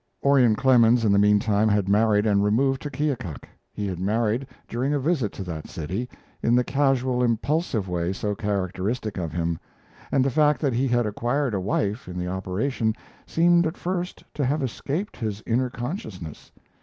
Orion Clemens in the mean time had married and removed to Keokuk. He had married during a visit to that city, in the casual, impulsive way so characteristic of him, and the fact that he had acquired a wife in the operation seemed at first to have escaped his inner consciousness.